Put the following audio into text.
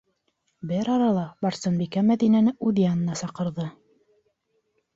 Бер арала Барсынбикә Мәҙинәне үҙ янына саҡырҙы.